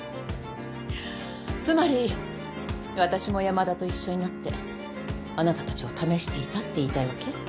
つまり私も山田と一緒になってあなたたちを試していたって言いたいわけ？